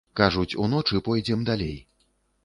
Кажуць, уночы пойдзем далей.